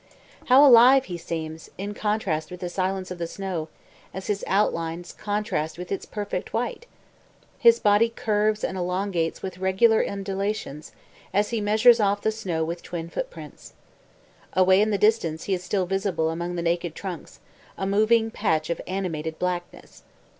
How alive he seems, in contrast with the silence of the snow, as his outlines contrast with its perfect white! His body curves and elongates with regular undulations, as he measures off the snow with twin footprints. Away in the distance he is still visible among the naked trunks, a moving patch of animated blackness.